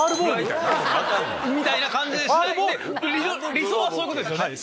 理想はそういうことですよね。